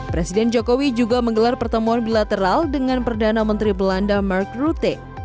presiden jokowi juga menggelar pertemuan bilateral dengan perdana menteri belanda mark rute